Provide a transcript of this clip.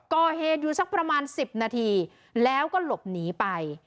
ก่อเหตุอยู่สักประมาณ๑๐นาทีแล้วก็หลบหนีไป